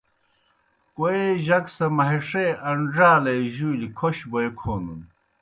کوئے جک سہ مہِݜے ان٘ڙالے جُولیْ کھوْش بوئے کھونَن۔